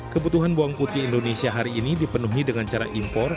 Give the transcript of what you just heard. kebutuhan bawang putih indonesia hari ini dipenuhi dengan cara impor